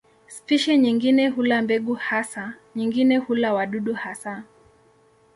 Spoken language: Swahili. Spishi nyingine hula mbegu hasa, nyingine hula wadudu hasa.